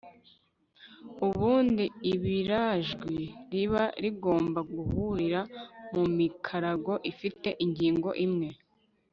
ubundi isubirajwi riba rigombaguhurira mumikarago ifite ingingo imwe